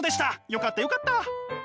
よかったよかった！